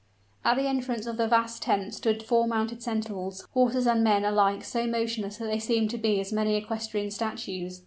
At the entrance of the vast tent stood four mounted sentinels, horses and men alike so motionless that they seemed to be as many equestrian statues.